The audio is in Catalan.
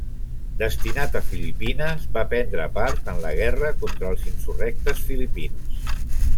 Destinat a Filipines, va prendre part en la guerra contra els insurrectes filipins.